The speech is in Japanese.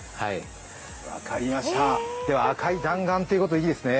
分かりました、赤い弾丸ということでいいですね。